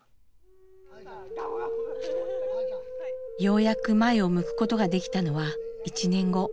ようやく前を向くことができたのは１年後。